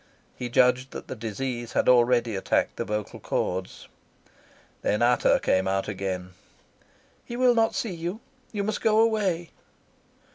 He judged that the disease had already attacked the vocal chords. Then Ata came out again. "He will not see you. You must go away."